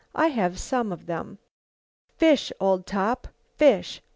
I have some of them. Fish, Old Top, fish!